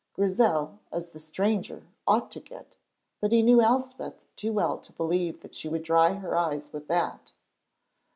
Grizel, as the stranger, ought to get But he knew Elspeth too well to believe that she would dry her eyes with that.